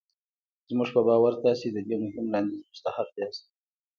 زموږ په باور تاسې د دې مهم وړانديز مستحق ياست.